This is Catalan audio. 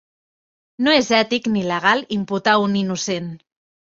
No és ètic ni legal imputar un innocent.